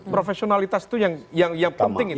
profesionalitas itu yang penting itu